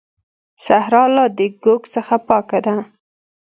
صحرا لا د ږوږ څخه پاکه ده.